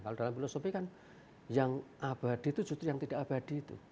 kalau dalam filosofi kan yang abadi itu justru yang tidak abadi itu